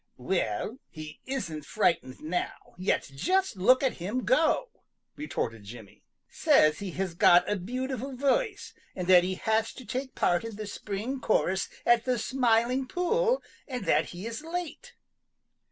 "Well, he isn't frightened now, yet just look at him go," retorted Jimmy. "Says he has got a beautiful voice, and that he has to take part in the spring chorus at the Smiling Pool and that he is late."